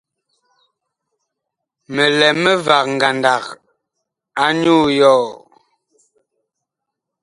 Mi lɛ mivag ngandag anyuu yɔɔ.